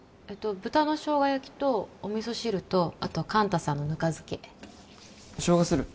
豚のしょうが焼きとお味噌汁とあと寛太さんのぬか漬けしょうがする？